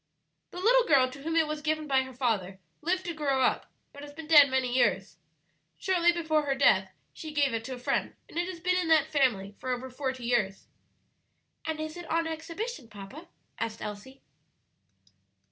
"The little girl to whom it was given by her father lived to grow up, but has been dead many years. Shortly before her death she gave it to a friend, and it has been in that family for over forty years." "And is it on exhibition, papa?" asked Elsie.